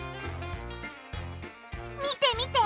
見て見て！